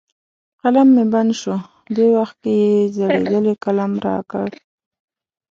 قلم مې بند شو، دې وخت کې یې زړېدلی قلم را کړ.